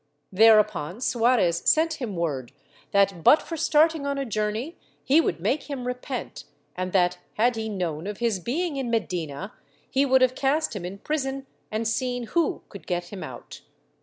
There upon Suarez sent him word that, l^ut for starting on a journey, he would make him repent and that, had he known of his being in Medina he would have cast him in prison and seen who could get him out.